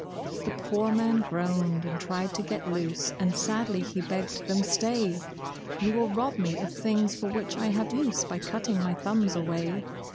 The poor man groaned and tried to get loose, and sadly he begged them, "Stay! You will rob me of things for which I have use by cutting my thumbs away!